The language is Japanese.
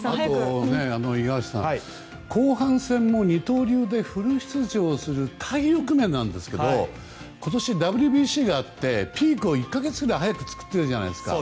五十嵐さん、後半戦も二刀流でフル出場する体力面なんですが今年、ＷＢＣがあってピークを１か月くらい早く作ってるじゃないですか。